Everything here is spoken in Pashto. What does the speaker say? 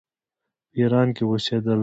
په ایران کې اوسېدل.